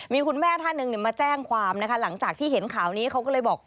มีคุณแม่ท่านหนึ่งมาแจ้งความนะคะหลังจากที่เห็นข่าวนี้เขาก็เลยบอก